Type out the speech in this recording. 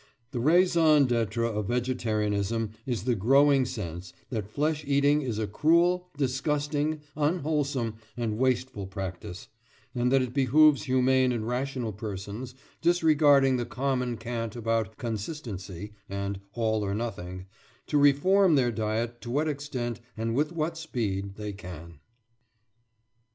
The raison d'être of vegetarianism is the growing sense that flesh eating is a cruel, disgusting, unwholesome, and wasteful practice, and that it behoves humane and rational persons, disregarding the common cant about "consistency" and "all or nothing," to reform their diet to what extent and with what speed they can.